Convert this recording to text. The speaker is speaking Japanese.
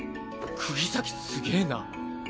釘崎すげぇな。